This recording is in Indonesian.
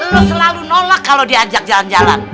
lo selalu nolak kalau diajak jalan jalan